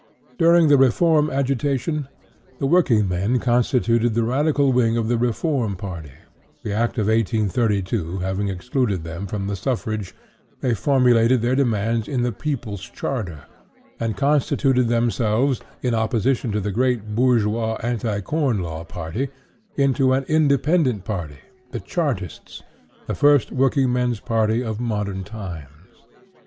During the Reform agitation, the working men constituted the Radical wing of the Reform party; the Act of 1832 having excluded them from the suffrage, they formulated their demands in the People's Charter, and constituted themselves, in opposition to the great bourgeois Anti Corn Law party, into an independent party, the Chartists, the first working men's party of modern times.